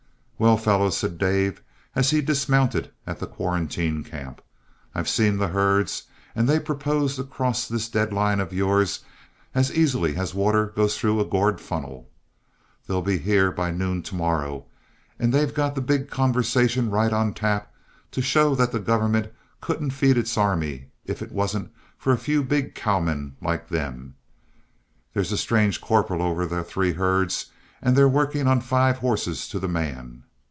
"Well, fellows," said Dave, as he dismounted at the quarantine camp, "I've seen the herds, and they propose to cross this dead line of yours as easily as water goes through a gourd funnel. They'll be here by noon to morrow, and they've got the big conversation right on tap to show that the government couldn't feed its army if it wasn't for a few big cowmen like them. There's a strange corporal over the three herds and they're working on five horses to the man.